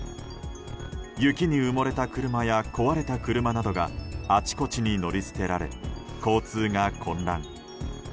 雪に埋もれた車や壊れた車などがあちこちに乗り捨てられ交通が混乱。